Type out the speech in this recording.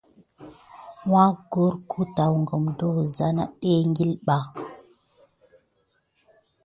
Vaki gorkute amà tada wusa ekile ɓā.